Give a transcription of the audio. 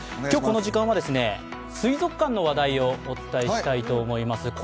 今日この時間は、水族館の話題をお伝えしたいと思います。